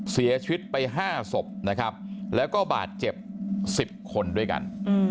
เสียชิดไป๕ศพและบาดเจ็บ๑๐คนด้วยกัน